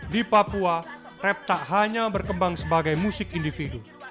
di papua rap tak hanya berkembang sebagai musik individu